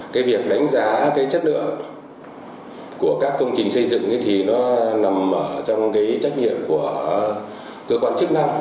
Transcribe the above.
cái việc đánh giá cái chất lượng của các công trình xây dựng thì nó nằm ở trong cái trách nhiệm của cơ quan chức năng